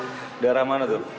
di daerah mana tuh